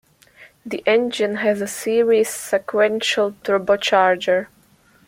The engine has a Series Sequential Turbocharger.